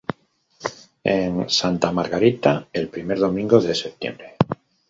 En Santa Margarita el primer domingo de septiembre.